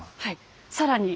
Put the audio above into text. はい。